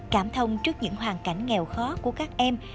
cảm thông trước những hoàn cảnh nghèo khó của các em